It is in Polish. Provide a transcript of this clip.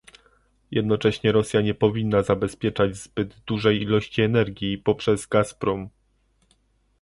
Jednocześnie Rosja nie powinna zabezpieczać zbyt dużej ilości energii poprzez Gazprom